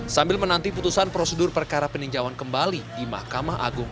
sambil menanti putusan prosedur perkara peninjauan kembali di mahkamah agung